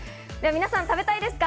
皆さん、食べたいですか？